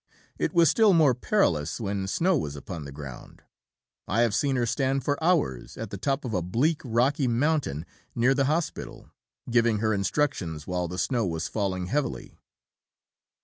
It was still more perilous when snow was upon the ground. I have seen her stand for hours at the top of a bleak rocky mountain near the Hospital, giving her instructions while the snow was falling heavily."